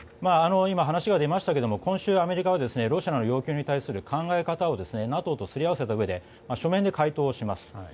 今、話が出ましたけど今週、アメリカはロシアの要求に対する考え方をＮＡＴＯとすり合わせたうえで書面で回答をします。